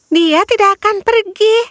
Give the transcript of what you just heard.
dia tidak akan pergi